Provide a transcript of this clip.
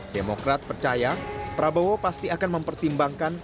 demokrat percaya prabowo pasti akan mempertimbangkan